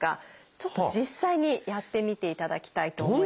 ちょっと実際にやってみていただきたいと思います。